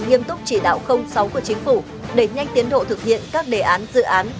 nghiêm túc chỉ đạo sáu của chính phủ đẩy nhanh tiến độ thực hiện các đề án dự án